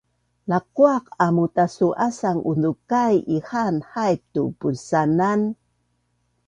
Lakuaq amu tastu’asang unzukai ihaan haip tu punsanan?